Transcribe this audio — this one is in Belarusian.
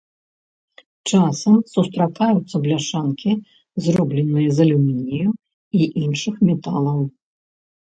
Часам сустракаюцца бляшанкі, зробленыя з алюмінію і іншых металаў.